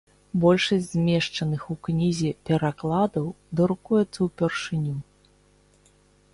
Большасць змешчаных у кнізе перакладаў друкуецца ўпершыню.